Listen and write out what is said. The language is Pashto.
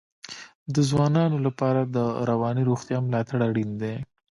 د ځوانانو لپاره د رواني روغتیا ملاتړ اړین دی.